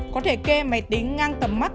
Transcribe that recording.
có thể kê máy tính ngang tầm mắt